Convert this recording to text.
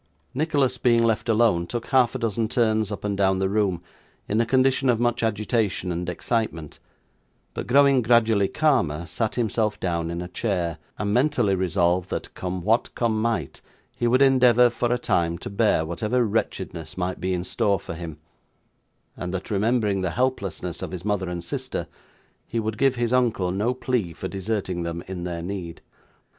Nicholas, being left alone, took half a dozen turns up and down the room in a condition of much agitation and excitement; but, growing gradually calmer, sat himself down in a chair, and mentally resolved that, come what come might, he would endeavour, for a time, to bear whatever wretchedness might be in store for him, and that remembering the helplessness of his mother and sister, he would give his uncle no plea for deserting them in their need.